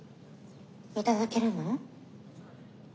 頂けるの？